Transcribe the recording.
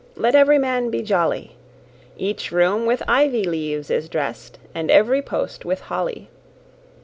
Let every man be jolly, Eache roome with yvie leaves is drest, And every post with holly.